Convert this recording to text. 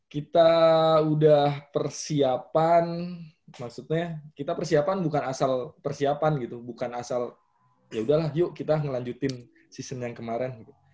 kita udah persiapan maksudnya kita persiapan bukan asal persiapan gitu bukan asal yaudahlah yuk kita ngelanjutin season yang kemarin gitu